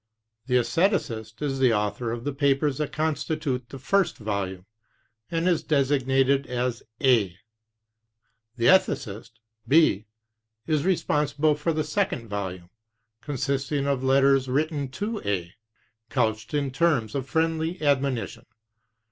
The estheticist is the author of the papers that constitute the first volume, and is designated as A; the ethicist, B, is responsible for the second volume, con sisting of letters written to A, couched in terms of friendly admonition.